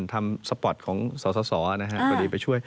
ทำสปอร์ตของส่อนะฮะ